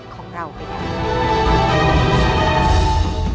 ของเราไปแล้ว